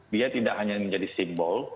dia tidak hanya menjadi simbol